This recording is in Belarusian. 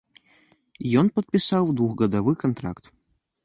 Ён падпісаў двухгадовы кантракт.